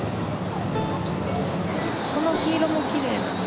この黄色もきれいだよ。